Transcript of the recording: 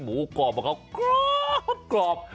หมูกรอบเขากรอบ